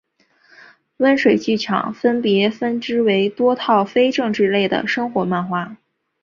温水剧场分别分支为多套非政治类的生活漫画